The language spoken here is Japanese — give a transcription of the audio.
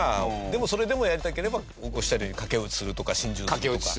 でもそれでもやりたければおっしゃるように駆け落ちするとか心中するとか。